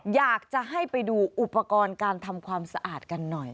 อยากจะให้ไปดูอุปกรณ์การทำความสะอาดกันหน่อย